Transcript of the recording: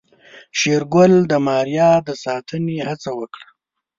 شېرګل د ماريا د ساتنې هڅه وکړه.